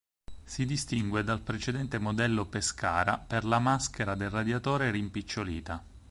Si distingue dal precedente modello "Pescara" per la maschera del radiatore rimpicciolita.